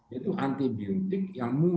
itu antibiotik yang mungkir